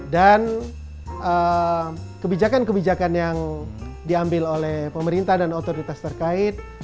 dan kebijakan kebijakan yang diambil oleh pemerintah dan otoritas terkait